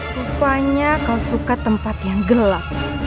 rupanya kau suka tempat yang gelap